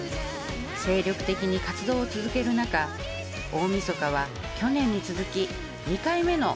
精力的に活動を続ける中大みそかは去年に続き２回目の「紅白歌合戦」に臨みます。